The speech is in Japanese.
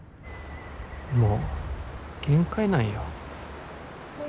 もう限界なんよ。